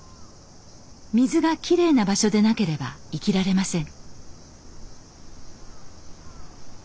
水がきれいな場所でなければ生きられません。